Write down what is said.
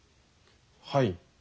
はい。